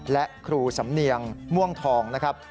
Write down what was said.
และครูสำเนียงม่วงทองนะครับ